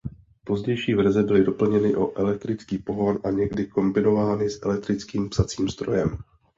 Pozdější verze byly doplněny o elektrický pohon a někdy kombinovány s elektrickým psacím strojem.